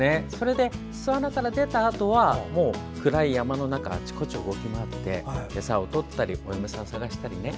巣穴から出たあとは暗い山の中、あちこち動き回って餌を取ったりお嫁さんを探したり。